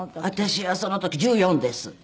私はその時１４です。